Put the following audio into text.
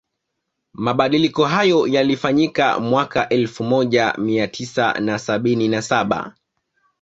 Mabadiliko hayo yalifanyika mwaka elfu moja mia tisa na sabini na saba